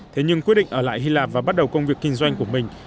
thế nhưng quyết định ở lại hy lạp và bắt đầu công việc kinh doanh của mình